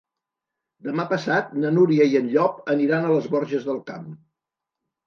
Demà passat na Núria i en Llop aniran a les Borges del Camp.